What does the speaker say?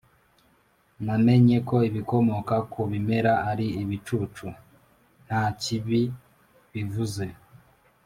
namenye ko ibikomoka ku bimera ari ibicucu. (nta kibi bivuze.)